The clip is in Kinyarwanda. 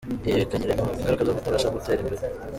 Ibi bikagira ingaruka zo kutabasha gutera inda.